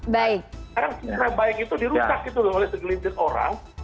sekarang sepeda baik itu dirusak oleh segelintir orang